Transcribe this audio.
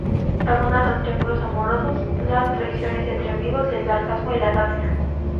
Abundan los triángulos amorosos, las traiciones entre "amigos", el sarcasmo y la sátira.